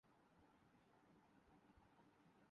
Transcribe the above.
FIFA World Cup روس نے Spain کو واپسی کا ٹکٹ تھمادیا